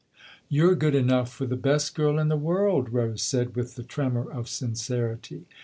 " You're good enough for the best girl in the world," Rose said with the tremor of sincerity.